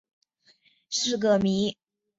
巨盗龙的食性仍然是个谜。